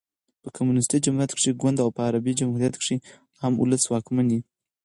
په کمونيسټي جمهوریت کښي ګوند او په عربي جمهوریت کښي عام اولس واکمن يي.